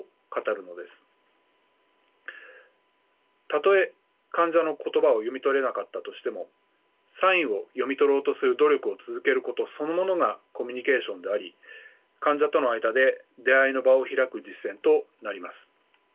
たとえ患者の言葉を読み取れなかったとしてもサインを読み取ろうとする努力を続けることそのものがコミュニケーションであり患者との間で「出会いの場」を開く実践となります。